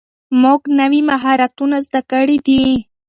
موږ نوي مهارتونه زده کړي دي.